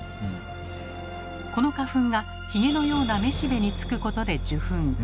この花粉がヒゲのようなめしべにつくことで受粉。